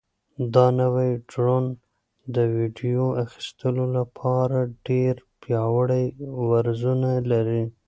دا نوی ډرون د ویډیو اخیستلو لپاره ډېر پیاوړي وزرونه لري.